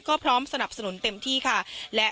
ก็พร้อมสนับสนุนเต็มที่ค่ะ